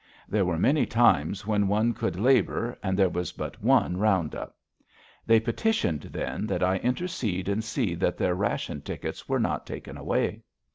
There were many times when one could labor, and there was but one round up. They petitioned, then, that I intercede and see that their ration tickets were not taken away.